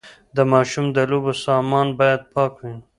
د ماشوم د لوبو سامان باید پاک وي۔